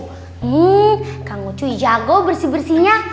hmmm kamu cuy jago bersih bersihnya